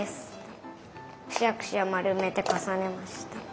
くしゃくしゃまるめてかさねました。